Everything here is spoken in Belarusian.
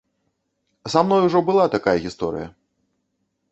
Са мной ужо была такая гісторыя.